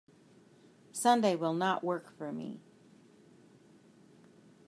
Sunday will not work for me.